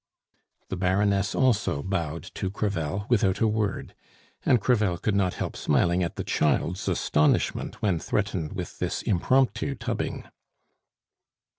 The Baroness also bowed to Crevel without a word; and Crevel could not help smiling at the child's astonishment when threatened with this impromptu tubbing.